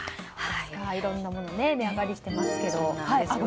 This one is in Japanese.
いろんなもの値上がりしてますね。